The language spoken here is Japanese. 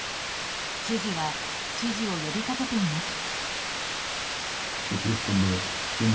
知事は支持を呼びかけています。